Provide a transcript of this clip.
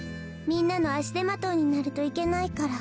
みんなのあしでまといになるといけないから。